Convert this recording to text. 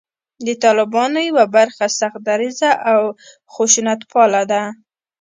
د طالبانو یوه برخه سخت دریځه او خشونتپاله ده